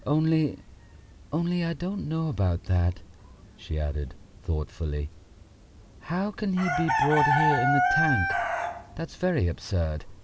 Only ... only I don't know about that," she added thoughtfully. "How can he be brought here in the tank? That's very absurd.